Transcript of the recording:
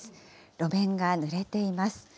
路面がぬれています。